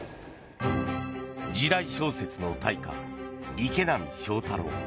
時代小説の大家池波正太郎。